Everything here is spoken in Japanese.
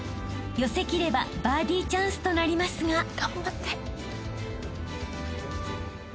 ［寄せきればバーディーチャンスとなりますが］